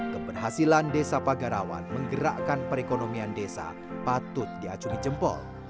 keberhasilan desa pagarawan menggerakkan perekonomian desa patut diacungi jempol